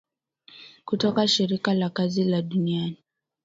kutoka shirika la kazi la duniani